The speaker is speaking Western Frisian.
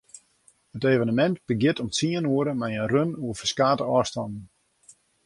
It evenemint begjint om tsien oere mei in run oer ferskate ôfstannen.